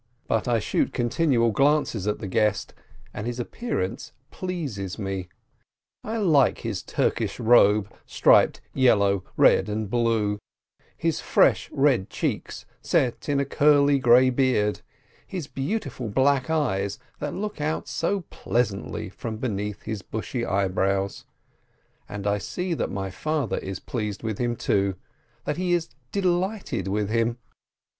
But I shoot continual glances at the guest, and his appearance pleases me; I like his Turkish robe, striped yellow, red, and blue, his fresh, red cheeks set in a curly grey beard, 'his beautiful black eyes that look out so pleasantly from beneath his bushy eyebrows. And I see that my father is pleased with him, too, that he is delighted with him.